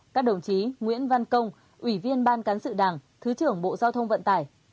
các đồng chí nguyễn văn công ủy viên ban cán sự đảng thứ trưởng bộ giao thông vận tải